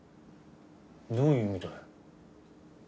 どういう意味だよ。